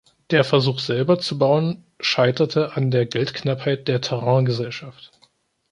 Der Versuch selber zu bauen scheiterte an der Geldknappheit der Terraingesellschaft.